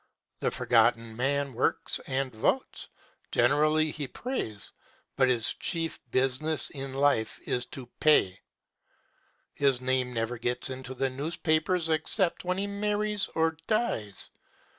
The Forgotten Man works and votes generally he prays but his chief business in life is to pay. His name never gets into the newspapers except when he marries or dies.